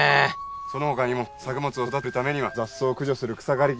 その他にも作物を育てるためには雑草を駆除する草刈り機